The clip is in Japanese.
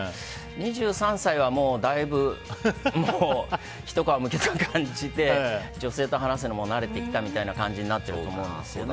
２３歳はだいぶ、ひと皮むけた感じで女性と話すのも慣れてきたみたいな感じになってると思うんです。